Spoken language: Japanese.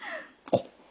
あっ。